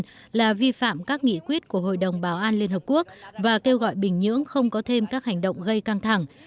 bric là vi phạm các nghị quyết của hội đồng bảo an liên hợp quốc và kêu gọi bình nhưỡng không có thêm các hành động gây căng thẳng